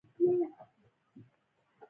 بس دی؛ څرخی دې وشوله.